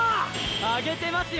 上げてますよ！